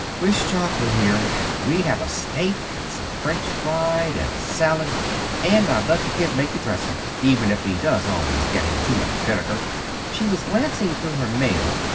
Wish Jock were here. We'd have a steak, and some French fried, and a salad, and I'd let the kid make the dressing, even if he does always get in too much vinegar " She was glancing through her mail.